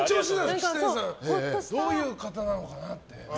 岸谷さんどういう方なのかなって。